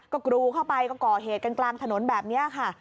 ก็กรูเข้าไปก็ก่อเหตุกันกลางถนนแบบนี้ค่ะ